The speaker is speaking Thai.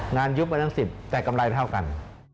งานยุ่มอันดังสิบแต่กำไรเท่ากัน